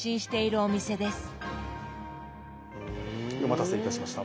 お待たせいたしました。